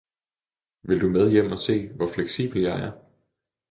Vil du med hjem og se, hvor fleksibel jeg er?